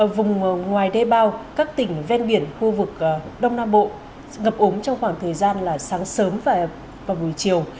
vùng ngoài đê bao các tỉnh ven biển khu vực đông nam bộ ngập ống trong khoảng thời gian sáng sớm và buổi chiều